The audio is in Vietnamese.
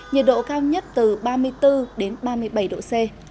nhiệt độ cao nhất từ ba mươi bốn ba mươi bảy độ c